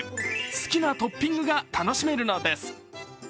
好きなトッピングが楽しめるのです。